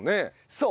そう！